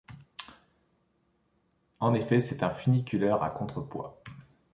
En effet, c'est un funiculaire à contrepoids.